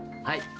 はい。